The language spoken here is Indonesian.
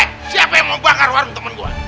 eh siapa yang mau bakar warung temen gua